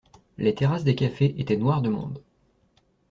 Les terrasses des cafés étaient noires de monde.